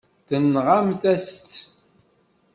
Tenɣamt-as-tt.